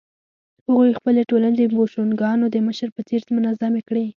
هغوی خپلې ټولنې د بوشونګانو د مشر په څېر منظمې کړې.